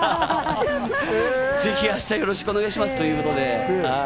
ぜひ明日よろしくお願いしますということで。